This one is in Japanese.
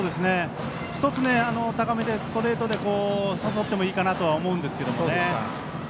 １つ、高めのストレートで誘ってもいいかなと思います。